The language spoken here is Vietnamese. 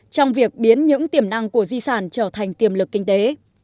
trong việc biến những tiềm năng của di sản trở thành tiềm lực kinh tế